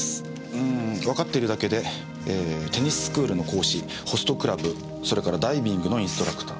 うんわかってるだけでえテニススクールの講師ホストクラブそれからダイビングのインストラクター。